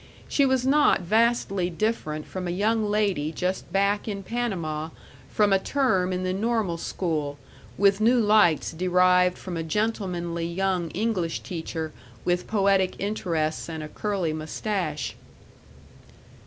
She was not vastly different from a young lady just back in Panama from a term in the normal school, with new lights derived from a gentlemanly young English teacher with poetic interests and a curly mustache.